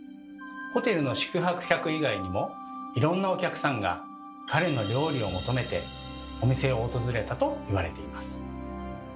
ホテルの宿泊客以外にもいろんなお客さんが彼の料理を求めてお店を訪れたと言われています。